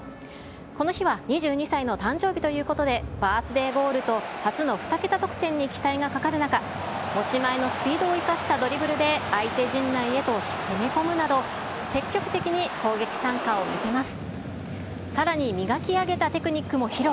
この日は２２歳の誕生日ということで、バースデーゴールと初の２桁得点に期待がかかる中、持ち前のスピードを生かしたドリブルで、相手陣内へと攻め込むなど、積極的に攻撃参加を見せます。